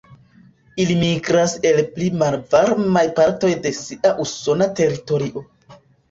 Ili migras el pli malvarmaj partoj de sia usona teritorio.